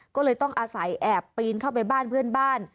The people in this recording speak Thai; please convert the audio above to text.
ก็เลยต้องอาศัยแอบปีนเข้าไปบ้านเพื่อนบ้าน